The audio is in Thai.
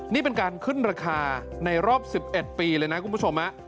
นี่เป็นการขึ้นราคาในรอบ๑๑ปีเลยนะคุณผู้ชม